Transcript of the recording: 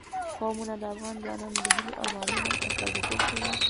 قومونه د افغان ځوانانو د هیلو او ارمانونو استازیتوب کوي.